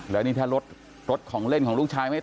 แล้วนี่ถ้ารถรถของเล่นของลูกชายไม่